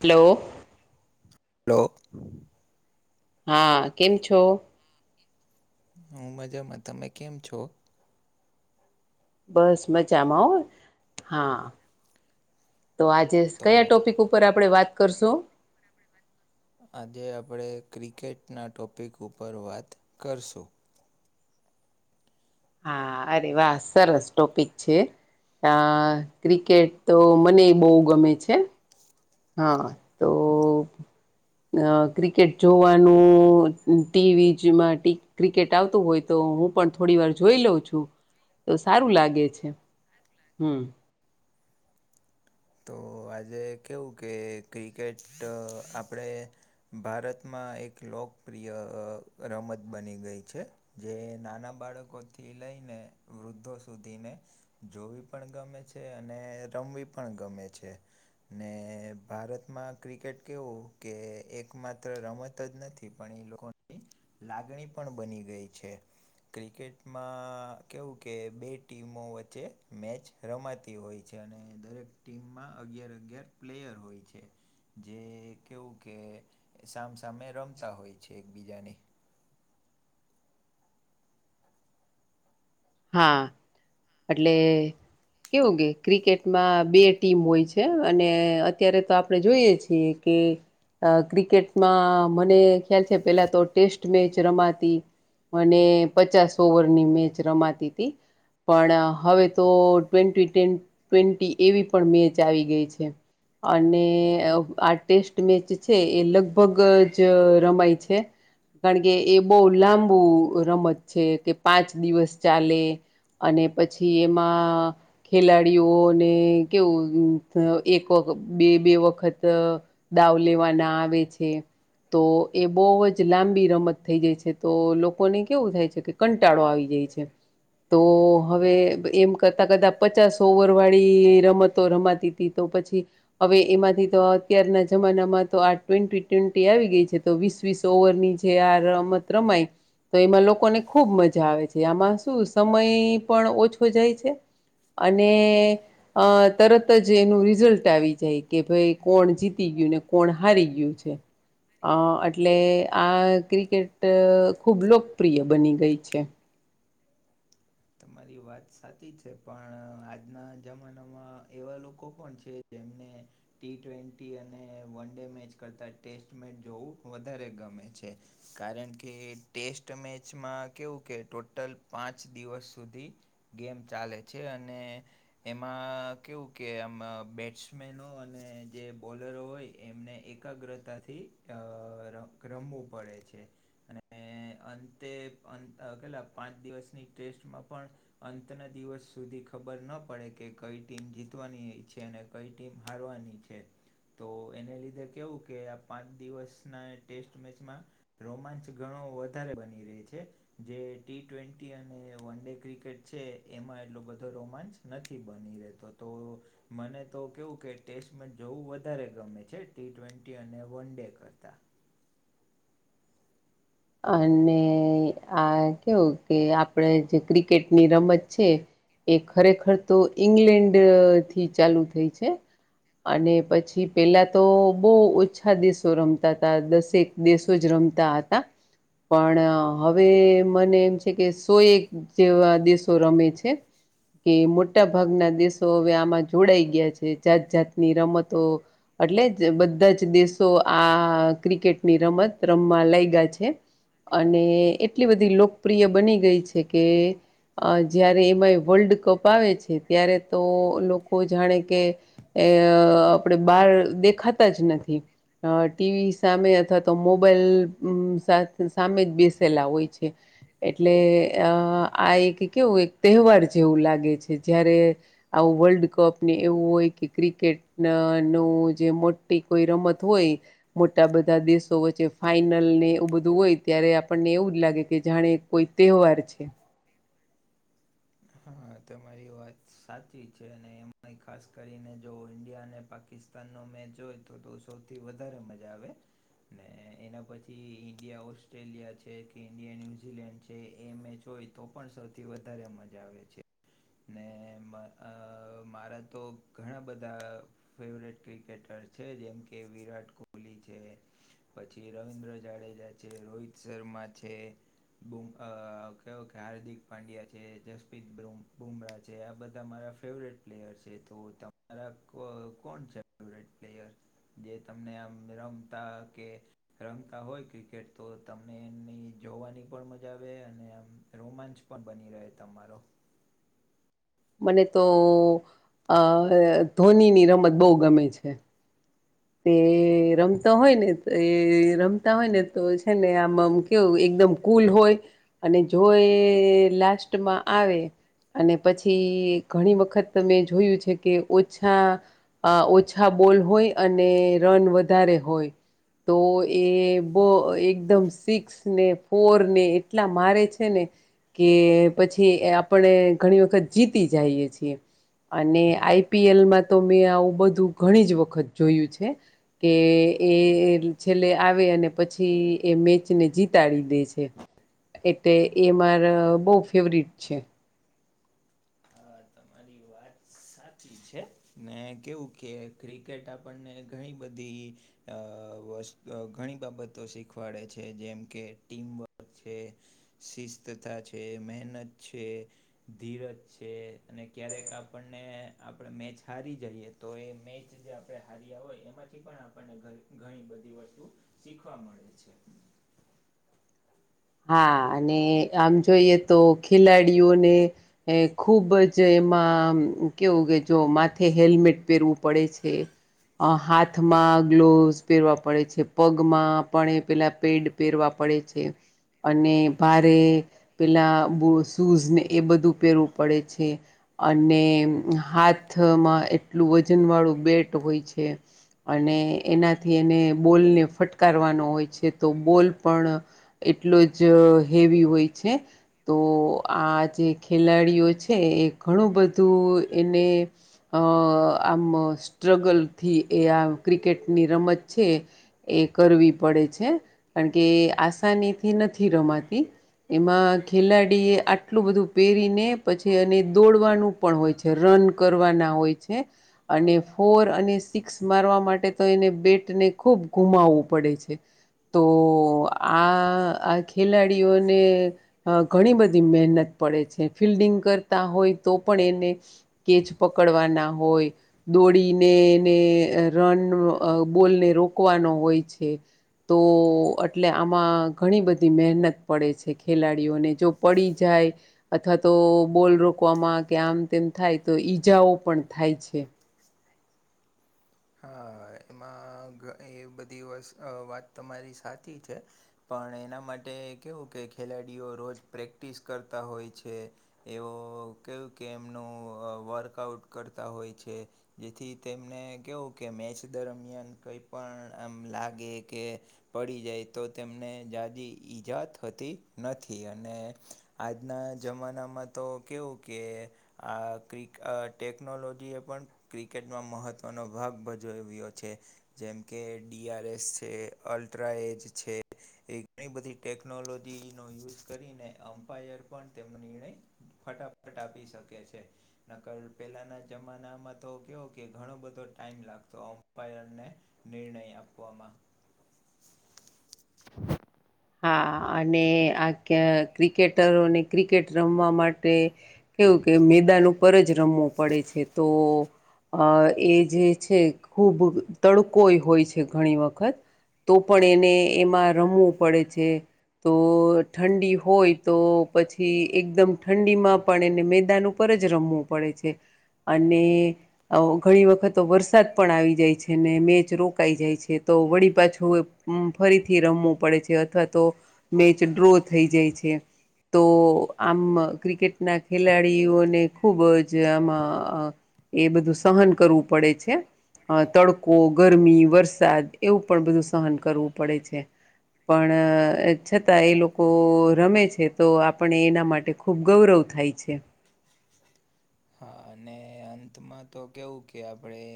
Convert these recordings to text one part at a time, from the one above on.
Hello. Hello. હા કેમ છો? હું મજામાં તમે કેમ છો? બસ મજામાં ઓ હા. તો આજે તો કયા ટોપિક ઉપર આપડે વાત કરશું? આજે આપણે ક્રિકેટના ટોપીક ઉપર વાત કરશું. હા અરે વાહ સરસ ટોપીક છે. આ ક્રિકેટ તો મને બહુ ગમે છે. હા તો અ ક્રિકેટ જોવાનું ટીવી માટે ક્રિકેટ આવતું હોય તો હું પણ થોડી વાર જોઈ લઉં છું તો સારું લાગે છે. હમ. તો આજે કેવું કે ક્રિકેટ આપણે ભારતમાં એક લોકપ્રિય રમત બની ગઈ છે. જે નાના બાળકોથી લઈને વૃદ્ધો સુધીને જોવી પણ ગમે છે અને રમવી પણ ગમે છે. ને ભારતમાં ક્રિકેટ કેવું કે એકમાત્ર રમત જ નથી થી પણ એ લોકોની લાગણી પણ બની ગઈ છે. ક્રિકેટમાં કેવું કે બે ટીમો વચ્ચે મેચ રમાતી હોય છે અને દરેક ટીમમાં અગિયાર અગિયાર પ્લેયર હોય છે. જે કેવું કે સામસામે રમતા હોય છે એકબીજાને. હા, એટલે કેવું કે ક્રિકેટમાં બે ટીમ હોય છે અને અત્યારે તો આપણે જોઈએ છીએ કે અ ક્રિકેટમાં મને ખ્યાલ છે પેલા તો ટેસ્ટ મેચ રમાતી અને પચાસ ઓવરની મેચ રમાતી. પણ હવે તો ટ્વેન્ટી ટવેન્ટી એવી પણ મેચ આવી ગઈ છે. અને આ ટેસ્ટ મેચ છે એ લગભગ જ રમાય છે. કારણ કે એ બહુ લાંબુ રમત છે કે પાંચ દિવસ ચાલે. અને પછી એમાં ખેલાડીઓને કેવું એક બે બે વખત દાવ લેવાના આવે છે. તો એ બહુ જ લાંબી રમત થઈ જાય છે તો લોકોને કેવું થાય છે કે કંટાળો આવી જાય છે. તો હવે એમ કરતા કદા પચાસ ઓવર વાળી રમતો રમાતી હતી તો પછી હવે એમાંથી તો અત્યારના જમાનામાં તો આ ટ્વેન્ટી ટ્વેન્ટી આવી ગઈ છે તો વીસ વીસ ઓવર ની જે આ રમત રમાય તો એમાં લોકોને ખૂબ મજા આવે છે આમાં શું સમય પણ ઓછો જાય છે અને અ તરત જ એનું રિઝલ્ટ આવી જાય કે ભાઈ કોણ જીતી ગયું ને કોણ હારી ગયું છે અ એટલે આ ક્રિકેટ ખૂબ લોકપ્રિય બની ગઈ છે તમારી વાત સાચી છે પણ આજના જમાનામાં એવા લોકો કોણ છે જેમને ટી ટ્વેન્ટી અને વન ડે મેચ કરતા ટેસ્ટ મેચ જોવું વધારે ગમે છે કારણ કે ટેસ્ટ મેચમાં કેવું કે ટોટલ પાંચ દિવસ સુધી ગેમ ચાલે છે અને એમાં કેવું કે આમ બેટ્સમેનો અને જે બોલરો હોય એમને એક એકાગ્રતાથી ર રમવું પડે છે અને અંતે પેલા પાંચ દિવસની ટેસ્ટમાં પણ અંતના દિવસ સુધી ખબર ન પડે કે કઈ ટીમ જીતવાની છે અને કઈ ટીમ હારવાની છે તો એને લીધે કેવું કે આ પાંચ દિવસના ટેસ્ટ મેચમાં રોમાંચ ઘણો વધારે બની રહે છે જે ટી ટ્વેન્ટી અને વન ડે ક્રિકેટ છે એમાં એટલો બધો રોમાંચ નથી બની રહેતો તો મને તો કેવું કે ટેસ્ટ મેચ જોવું વધારે ગમે છે ટી ટ્વેન્ટી અને વન ડે કરતા અને આ કેવું કે આપડે જે ક્રિકેટની રમત છે એ ખરેખર તો ઈંગ્લેન્ડ થી ચાલુ થઈ છે અને પછી પેલા તો બહુ ઓછા દિવસો રમતા હતા દસેક દેશો જ રમતા હતા પણ હવે મને એમ છે કે સો એક જેવા દેશો રમે છે કે મોટા ભાગના દેશો હવે આમાં જોડાઈ ગયા છે જાત જાતની રમતો એટલે જ બધા જ દેશો આ ક્રિકેટની રમત રમમાં લઈ ગયા છે અને એટલી બધી લોકપ્રિય બની ગઈ છે કે અ જયારે એમાંય વર્લ્ડ કપ આવે છે ત્યારે તો લોકો જાણે કે એ આપણેે બાર દેખાતા જ નથી અ ટીવી સામે અથવા તો મોબાઈલ સાથે સામે જ બેસેલા હોય છે એટલે અ આ એક કેવું એક તહેવાર જેવું લાગે છે જારે આવું વર્લ્ડ કપ ને એવું હોય કે ક્રિકેટ નું જે મોટી કોઈ રમત હોય મોટા બધા દેશો વચ્ચે ફાાઈનલ ને એવું બધું ું હોય ત્યારે આપણને એવું જ લાગે કે જાણે કોઈ તહેવાર છે હા તમારી વાત સાચી છે અને એમાં ખાસ કરીને જો ઈન્ડિયા અને પાકિસ્તાન તાનું મે જોયતું તું સૌથી વધારે મજા આવે. ને એના પછી ઈન્ડિયા ઓસ્ટ્રેલિયા છે કે ઈન્ડિયા ન્યૂઝીલેન્ડ છે એ મેચ હોય તો પણ સૌથી વધારે મજા આવે છે ને મારા તો ઘણા બધા ફેવરેટ ક્રિકેટર છે જેમ કે વિરાટ કોહલી છે પછી રવિન્દ્ર જાડેજા છે રોહિત શર્મા છે બમ કવો કે હાર્દિક પાંડ્યા છે જસપ્રીિત બ્રૂમ બુમરા છે આ બધા મારા ફેવરેટ પ્લેયર છે તો તમારા કોણ છે ફેવરેટ પ્લેયર જે તમને આમ રમતા કે રમતા હોય ક્રિકેટ તો તમને એની જોવાની પણ મજા આવે અને આમ રોમાંચ પણ બની રહે તમારો મને તો આ ધોનીની રમત બહુ ગમે છે તે રમતો હોય ને તો એ રમતા હોય ને તો હેને આમ આમ કેવું એકદમ કુલ હોય અને જો એ લાસ્ટમાં આવે અને પછી ઘણી વખત તમે જોયું છે કે ઓછા અ ઓ ઓછા બોલ હોય અને રન વધારે હોય તો એ બહુ એકદમ સિક્સ ને ફોર ને એટલા મારે છે ને કે પછી આપણે ઘણી વખત જીતી જઈએ છીએ અને આઈપીએલમાં તો મેં આવું બધું ઘણી જ વખત જોયું છે. કે એ છેલ્લે આવે અને પછી એ મેચ ને જીતાડી દે છે એટલે એ માર બહુ ફેવરિટ છે અ તમારી વાત સાચી છે ને કેવું કે ક્રિકેટ આપણને ઘણી બધી અ વ ઘણી બાબતો શીખવાડે છે જેમ કે ટીમવર્ક છે શિસ્તતા છે મહેનત છે ધીરજ છે અને ક્યારેક આપણને આપણે મેચ હારી જઈએ તો એ મેચ જે આપણે હાર્યા હોય એમાં પણ આપણને ઘણી ઘણી બધી વસ્તુ શીખવા મળે છે હા અને આમ જોઈએ તો ખેલાડીઓને એ ખુબ જ એમાં કેવું કે જો માથે તે હેલ્મેટ પહેરવું પડે છે. અ હાથમાં ગ્લોવસ પહેરવા પડે છે પગમાં પણ એ પેલા પેડ પેરવા પડે છે અને ભારે પેલા બ શૂઝ ને એ બધું પેરવું પડે છે. અને હાથમાં એટલું વજન વાળું બેટ હોય છે. અને એનાથી એને બોલને ફટકારવાનો હોય છે તો બોલ પણ એટલો જ હેવી હોય છે તો આ જે ખેલાડીઓ છે એ ઘણું બધું એને અ આમ સ્ટ્રગલથી એ આ ક્રિકેટની રમત છે એ કરવી પડે છે કારણ કે આસાનીથી નથી રમાતી એમાં ખેલાડી એ આટલું બધું પહેરીને પછી એને દોડવાનું પણ હોય છે રન કરવાના હોય છે અને ફોર અને સિક્સ મારવા માટે તો એને બેટને ખૂબ ગુમાવવું પડે છે તો આ આ ખેલાડીઓને અ ઘણી બધી મહેનત પડે છે ફિલ્ડિંગ કરતા હોય તો પણ એને કેચ પકડવાના હોય દોડીનેને રન અ બોલને રોકવાનો હોય છે તો અટલે આમાં ઘણી બધી મહેનત પડે છે ખેલાડીઓને જો પડી જાય અથવા તો બોલ રોકવામાં કે આમ તેમ થાય તો ઈજાઓ પણ થાય છે હા એમાં એ બધી વસ્ વાત તમારી સાચી છે પણ એના માટે કેવું કે ખેલાડીઓ રોજ પ્રેક્ટિસ કરતા હોય છે એવો કેવું કે એમનું વર્કઆઉટ કરતા હોય છે જેથી તેમને કેવું કે મેચ દરમિયાન કઈ પણ આમ લાગે કે પડી જાય તો તેમને જાજી ઈજા થતી નથી અને આજના જમાનામાં તો કેવું કે આ ક્રીક ટેકનોલોજી એ પણ ક્રિકેટમાં મહત્વનો ભાંગ ભજોવ્યો છે જેમકે ડીઆર એસ છે અલ્ટ્રા એજ છે એ ઘણી બધી ટેકનોલોજી નો યુઝ કરીને અમ્પાયર પણ તેમ નિર્ણય ફટાફટ આપી શકે છે નકર પેલાના જમાનામાં તો કેવો કે ઘણો બધો ટાઈમ લાગતો અમ્પાયરને નિર્ણય આપવામાં હા, અને આખ્યા ક્રિકેટરોને ક્રિકેટ રમવા માટે કેવું કે મેદાન ઉપર જ રમવું પડે છે તો અ એ જે છે ખૂબ તડકોય હોય છે ઘણી વખત તો પણ એને એમાં રમવું પડે છે તો ઠંડી હોય તો પછી એકદમ ઠંડીમાં પણ એને મેદાન ઉપર જ રમવું પડે છે અને ઘણી વખત વરસાદ પણ આવી જાય છે ને મેચ રોકાઈ જાય છે તો વળી પાછું હમ્મ ફરીથી રમવું પડે છે અથવા તો મેચ ડ્રો થઈ જાય છે તો આમ ક્રિકેટના ખેલાડીઓને ખુબ જ આમાં એ બધું સહન કરવું પડે છે અ તડકો, ગરમી, વરસાદ, એવું પણ બધું સહન કરવું પડે છે પણ છતાં એ લોકો રમે છે તો આપણે એના માટે ખૂબ ગૌરવ થાય છે હા અને અંતમાં તો કેવું કે આપણેે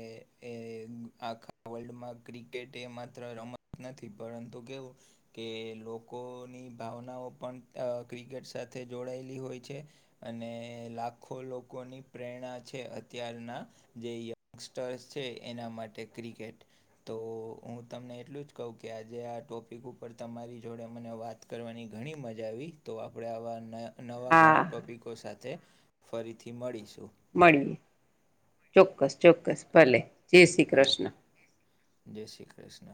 એ આખા વર્લ્ડમાં ક્રિકેટ એ માત્ર રમત નથી પરંતુ કેવું કે લોકોની ભાવનાઓ પણ ક્રિકેટ સાથે જોડાયેલી હોય છે‌ અને લાખો લોકોની પ્રેરણા છે અત્યારના જે યંગસ્ટર્સ છે એના માટે ક્રિકેટ તો હું તમને એટલું જ કહું કે આજે આ ટોપિક ઉપર તમારી જોડે મને વાત કરવાની ઘણી મજા આવી તો આપણે આવા નવા હા ઘણા ટોપિકો સાથે ફરીથી મળીશું મળીએ, ચોક્કસ, ચોક્કસ, ભલે જય શ્રી હા કૃષ્ણ જય શ્રી કૃષ્ણ